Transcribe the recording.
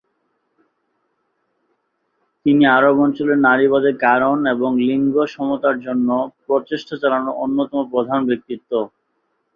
তিনি আরব অঞ্চলে নারীবাদের কারণ এবং লিঙ্গ সমতার জন্য প্রচেষ্টা চালানোর অন্যতম প্রধান ব্যক্তিত্ব।